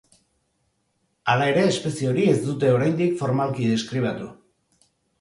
Hala ere espezie hori ez dute, oraindik, formalki deskribatu.